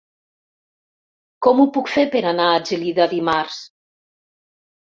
Com ho puc fer per anar a Gelida dimarts?